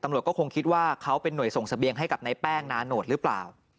ตำรวจก็คงคิดว่าเขาเป็นหน่วยส่งเสบียงให้กับในแป้งนาโนตหรือเปล่า